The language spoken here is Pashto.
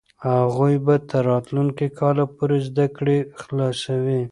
هغوی به تر راتلونکي کاله پورې زده کړې خلاصوي.